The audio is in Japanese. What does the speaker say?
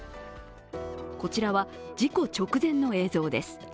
こちらは事故直前の映像です。